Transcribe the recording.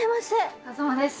お疲れさまです。